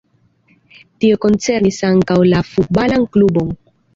Tio koncernis ankaŭ la futbalan klubon.